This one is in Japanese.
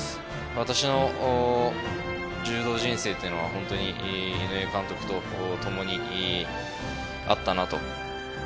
私の柔道人生というのは、本当に井上監督と共にあったなと。